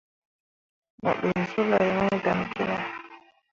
Mo ɗǝǝ soulei mai dan kǝne.